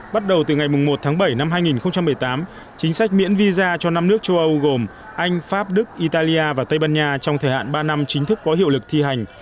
bắt đầu từ ngày một tháng bảy năm hai nghìn một mươi tám chính sách miễn visa cho năm nước châu âu gồm anh pháp đức italia và tây ban nha trong thời hạn ba năm chính thức có hiệu lực thi hành